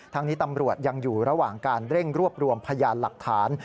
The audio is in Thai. นี้ตำรวจยังอยู่ระหว่างการเร่งรวบรวมพยานหลักฐาน